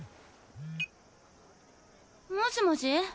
もしもし？